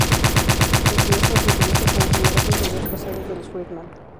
Entrelaza las entrevistas con los numerosos videos caseros de Los Friedman.